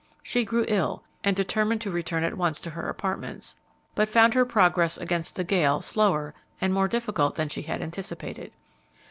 She grew ill, and determined to return at once to her apartments, but found her progress against the gale slower and more difficult than she had anticipated.